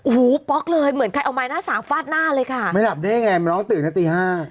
หูป๊อกเลยเหมือนใครเอาไม้หน้าสามฟาดหน้าเลยค่ะไม่หลับได้ไงน้องตื่นนะตีห้า